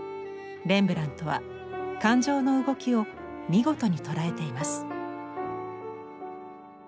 レンブラントは感情の動きを見事に捉えています。